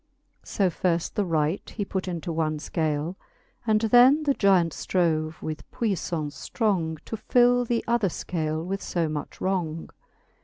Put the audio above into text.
So firft the right he put into one fcale j And then the Gyant ftrove with puifTance ftrong To fill th'other fcale with fb much wrong.